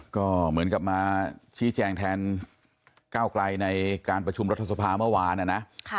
ก็เหมือนกับมาชี้แจงแทนก้าวไกลในการประชุมรัฐสภาเมื่อวานนะ